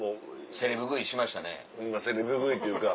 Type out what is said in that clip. セレブ食いっていうか。